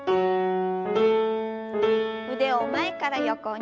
腕を前から横に。